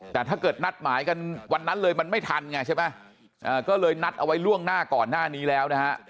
แต่ถ้าเกิดนัดหมายกันวันนั้นเลยมันไม่ทันไงใช่ไหมก็เลยนัดเอาไว้ล่วงหน้าก่อนหน้านี้แล้วนะฮะ